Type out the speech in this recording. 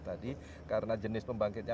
tadi karena jenis pembangkitnya